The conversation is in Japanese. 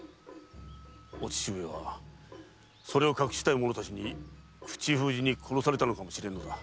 お父上はそれを隠したい者たちに口封じに殺されたのかもしれぬ。